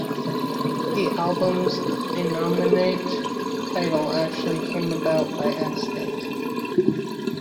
The album's innominate title actually came about by accident.